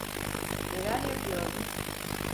Neler yapıyordun?